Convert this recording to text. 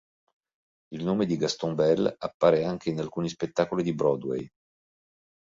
Il nome di Gaston Bell appare anche in alcuni spettacoli di Broadway.